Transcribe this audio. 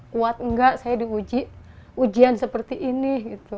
kuat enggak saya diuji ujian seperti ini